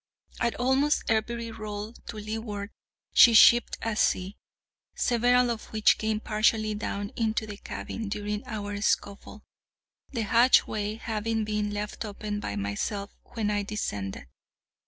At almost every roll to leeward she shipped a sea, several of which came partially down into the cabin during our scuffle, the hatchway having been left open by myself when I descended.